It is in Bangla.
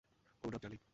ওর নাম চার্লি।